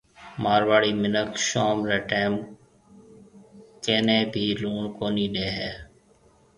مارواڙِي مِنک شوم ري ٽيم ڪَني ڀِي لُوڻ ڪونِي ڏيَ هيَ۔